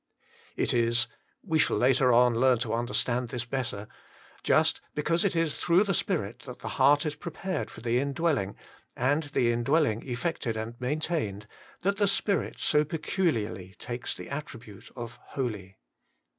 It is we shall later on learn to understand this better just because it is through the Spirit that the heart is prepared for the indwelling, and the indwelling effected and maintained, that the Spirit so peculiarly takes the attribute of Holy.